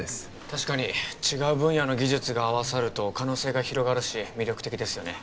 確かに違う分野の技術が合わさると可能性が広がるし魅力的ですよね